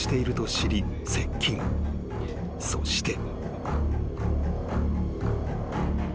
［そして］